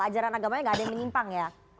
ajaran agamanya gak ada yang menyimpang ya